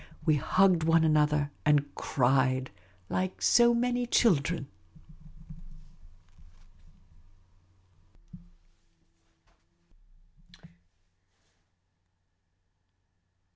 We hugged one another and cried like so many children.